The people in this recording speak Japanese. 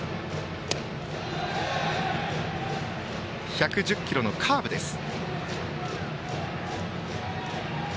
１１０キロのカーブです。